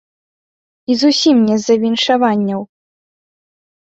І зусім не з-за віншаванняў.